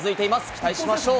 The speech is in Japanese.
期待しましょう。